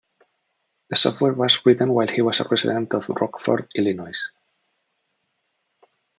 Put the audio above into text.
The software was written while he was a resident of Rockford, Illinois.